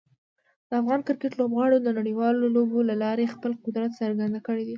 د افغان کرکټ لوبغاړو د نړیوالو لوبو له لارې خپل قدرت څرګند کړی دی.